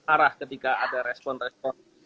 arah ketika ada respon respon